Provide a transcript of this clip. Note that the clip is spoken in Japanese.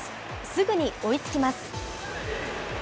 すぐに追いつきます。